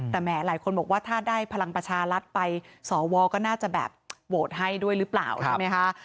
แต่แหมหลายคนบอกว่าถ้าได้พลังประชารัฐไปสวก็น่าจะแบบโหวตให้ด้วยหรือเปล่าใช่ไหมคะ